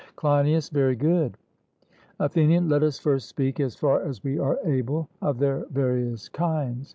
CLEINIAS: Very good. ATHENIAN: Let us first speak, as far as we are able, of their various kinds.